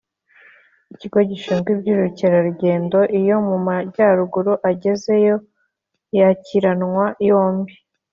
ikigo gishinzwe iby’ubukerarugendo iyo mu majyaruguru agezeyo yakiranwa yombi.